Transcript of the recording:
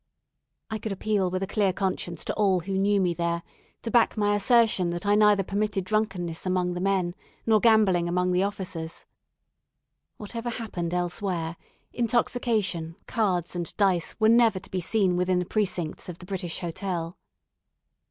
I could appeal with a clear conscience to all who knew me there, to back my assertion that I neither permitted drunkenness among the men nor gambling among the officers. Whatever happened elsewhere, intoxication, cards, and dice were never to be seen, within the precincts of the British Hotel.